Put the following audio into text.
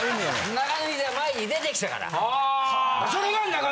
中野英雄が前に出てきたから。